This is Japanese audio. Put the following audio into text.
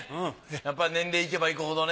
やっぱ年齢いけばいくほどね。